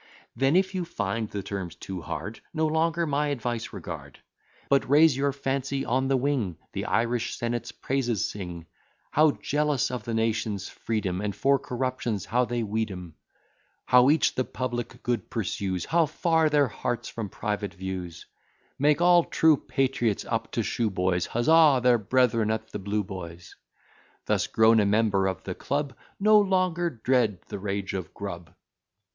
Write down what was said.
Then, if you find the terms too hard, No longer my advice regard: But raise your fancy on the wing; The Irish senate's praises sing; How jealous of the nation's freedom, And for corruptions how they weed 'em; How each the public good pursues, How far their hearts from private views; Make all true patriots, up to shoe boys, Huzza their brethren at the Blue boys; Thus grown a member of the club, No longer dread the rage of Grub.